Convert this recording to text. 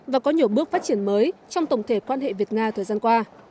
và có nhiều bước phát triển mới trong tổng thể quan hệ việt nga thời gian qua